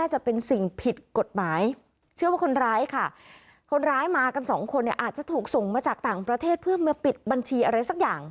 หรือบัญชีอะไรสักอย่าง